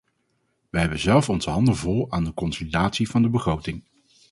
Wij hebben zelf onze handen vol aan de consolidatie van de begroting.